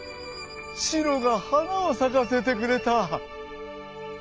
シロがはなをさかせてくれた」。